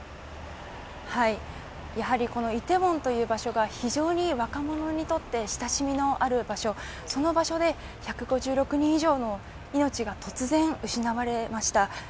やはりこのイテウォンという場所が非常に若者にとって親しみのある場所、その場所で１５６人以上の命が突然失われました。